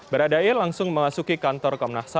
barada e langsung memasuki kantor komnas ham